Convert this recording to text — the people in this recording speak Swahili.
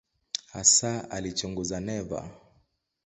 Hasa alichunguza neva.